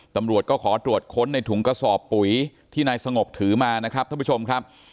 ตำรวจก็ขอตรวจค้นในถุงกระสอบปุ๋ยที่นายสงบถือมานะครับท่านผู้ชมครับ